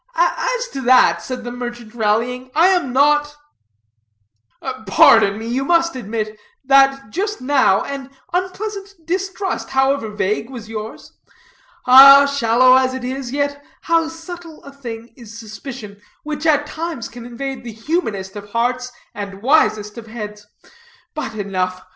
"As to that," said the merchant, rallying, "I am not " "Pardon me, but you must admit, that just now, an unpleasant distrust, however vague, was yours. Ah, shallow as it is, yet, how subtle a thing is suspicion, which at times can invade the humanest of hearts and wisest of heads. But, enough.